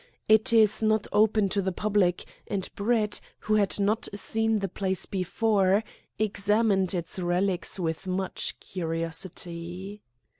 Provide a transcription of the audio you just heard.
It is not open to the public, and Brett, who had not seen the place before, examined its relics with much curiosity.